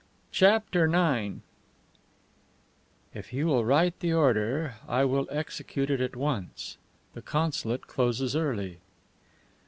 CHAPTER IX "If you will write the order I will execute it at once. The consulate closes early."